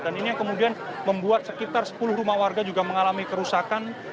dan ini yang kemudian membuat sekitar sepuluh rumah warga juga mengalami kerusakan